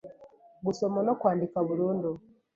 gusoma no kwandika burundu,